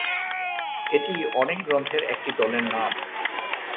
এটি অনেক গ্রন্থের একটি দলের নাম।